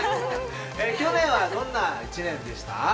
去年はどんな一年でした？